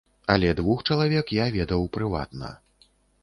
Але двух чалавек я ведаў прыватна.